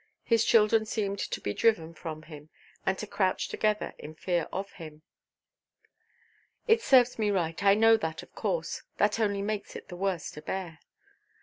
His children seemed to be driven from him, and to crouch together in fear of him. "It serves me right. I know that, of course. That only makes it the worse to bear."